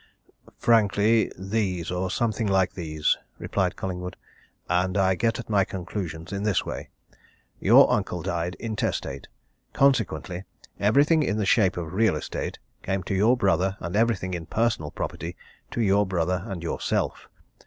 "Frankly these, or something like these," replied Collingwood. "And I get at my conclusions in this way. Your uncle died intestate consequently, everything in the shape of real estate came to your brother and everything in personal property to your brother and yourself.